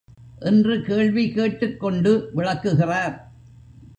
என்று கேள்வி கேட்டுக்கொண்டு விளக்குகிறார்.